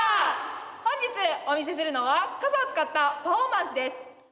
本日お見せするのは傘を使ったパフォーマンスです。